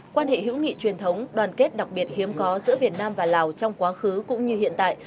quan hệ hữu nghị truyền thống đoàn kết đặc biệt hiếm có giữa việt nam và lào trong quá khứ cũng như hiện tại